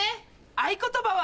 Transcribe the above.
合言葉は。